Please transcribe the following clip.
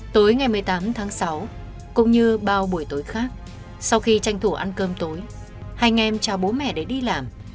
tối ngày một mươi tám tháng sáu cũng như bao buổi tối khác sau khi tranh thủ ăn cơm tối hai anh em cha bố mẹ để đi làm